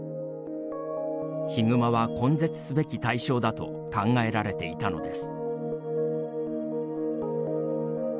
ヒグマは、根絶すべき対象だと考えられていたのです。